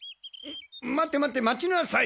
待て待て待ちなさい！